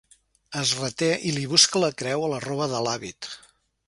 Es reté i li busca la creu a la roba de l'hàbit.